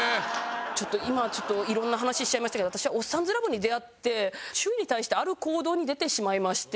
今ちょっと色んな話しちゃいましたけど私は『おっさんずラブ』に出会って周囲に対してある行動に出てしまいまして。